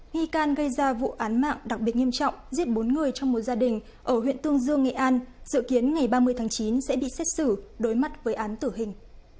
nghi can gây ra vụ án mạng đặc biệt nghiêm trọng giết bốn người trong một gia đình ở huyện tương dương nghệ an dự kiến ngày ba mươi tháng chín sẽ bị xét xử đối mặt với án tử hình